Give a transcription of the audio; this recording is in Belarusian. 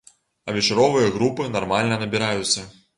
А вечаровыя групы нармальна набіраюцца.